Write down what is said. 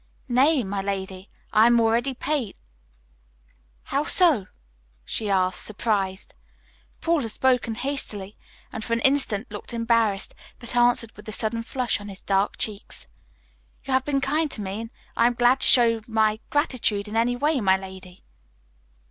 "Nay, my lady, I am already paid " "How so?" she asked, surprised. Paul had spoken hastily, and for an instant looked embarrassed, but answered with a sudden flush on his dark cheeks, "You have been kind to me, and I am glad to show my, gratitude in any way, my lady."